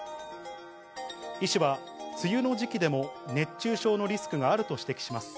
医師は、梅雨の時期でも熱中症のリスクがあると指摘します。